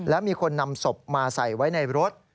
และมีคนนำศพมาใส่ไว้ในรถ